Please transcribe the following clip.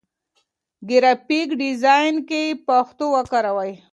ګرافيک ډيزاين کې پښتو وکاروئ.